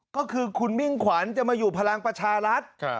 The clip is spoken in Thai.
ก็คือคุณมิ่งขวัญจะมาอยู่พลังประชารัฐ